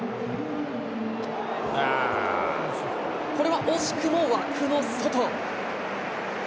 これは惜しくも枠の外。